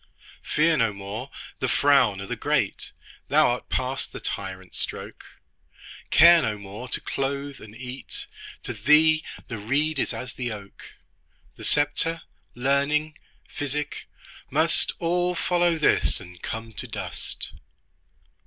Fear no more the frown o' the great, Thou art past the tyrant's stroke; Care no more to clothe, and eat; To thee the reed is as the oak: The sceptre, learning, physic, must All follow this and come to dust.